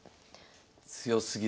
強すぎる。